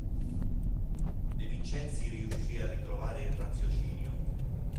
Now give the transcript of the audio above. De Vincenzi riuscí a ritrovare il raziocinio.